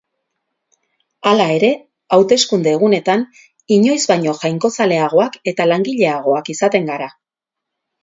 Hala ere, hauteskunde-egunetan inoiz baino jainkozaleagoak eta langileagoak izaten gara.